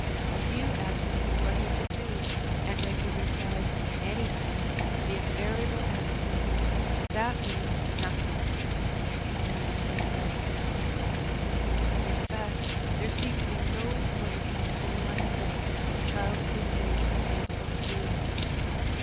A few asked him what he could do, and when be replied " Anything," the iuvariable answer was, " That means nothing," and he was sent about his bnsiness. In fact, there seemed to be no work in the whole line of docks that a child of his age was capable of doing.